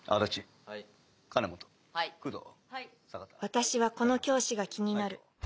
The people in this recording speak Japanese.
私はこの教師が気になる